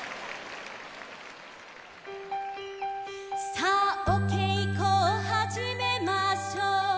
「さあおけいこをはじめましょう」